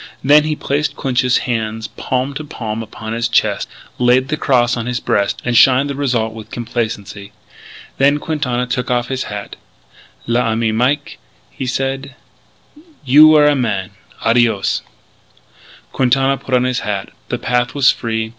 Then he placed Clinch's hands palm to palm upon his chest, laid the cross on his breast, and shined the result with complacency. Then Quintana took off his hat. "L'ami Mike," he said, "you were a man!... Adios!" Quintana put on his hat. The path was free.